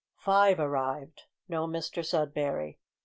Five arrived no Mr Sudberry.